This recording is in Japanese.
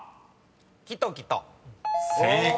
「きときと」［正解。